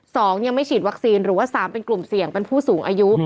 สองยังไม่ฉีดวัคซีนหรือว่าสามเป็นกลุ่มเสี่ยงเป็นผู้สูงอายุ